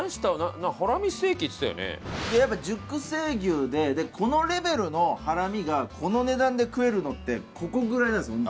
やっぱ熟成牛でこのレベルのハラミがこの値段で食えるのってここぐらいなんですよ